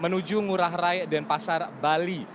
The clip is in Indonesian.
menuju ngurah rai dan pasar bali